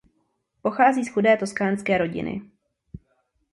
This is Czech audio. Pochází z chudé toskánské rodiny.